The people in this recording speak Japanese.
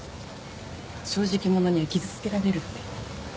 正直者には傷つけられるんで。